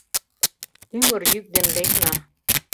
Тӱмыр йӱк ден лекна